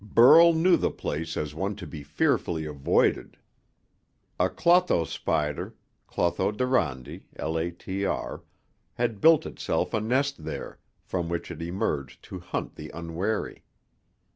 Burl knew the place as one to be fearfully avoided. A Clotho spider (Clotho Durandi, LATR) had built itself a nest there, from which it emerged to hunt the unwary.